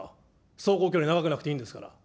走行距離長くなくていいんですから。